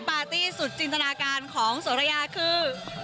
ปาร์ตี้สุดจินตนาการของโสระยาคือ